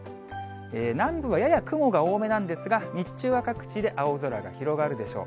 南部はやや雲が多めなんですが、日中は各地で青空が広がるでしょう。